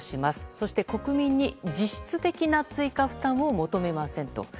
そして国民に実質的な追加負担を求めませんと。